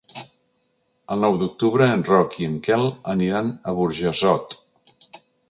El nou d'octubre en Roc i en Quel aniran a Burjassot.